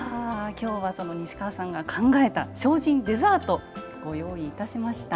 今日は西川さんが考えた精進デザートご用意いたしました。